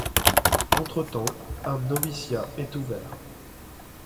Entre-temps, un noviciat est ouvert.